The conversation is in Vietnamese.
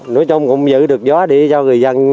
nói chung cũng giữ được gió đi cho người dân